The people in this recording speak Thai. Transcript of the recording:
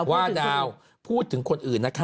ว่าดาวพูดถึงคนอื่นนะคะ